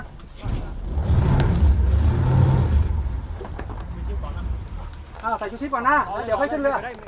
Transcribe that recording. สวัสดีครับทุกคน